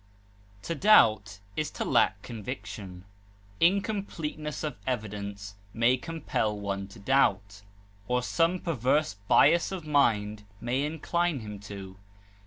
To doubt is to lack conviction. Incompleteness of evidence may compel one to doubt, or some perverse bias of mind may incline him to.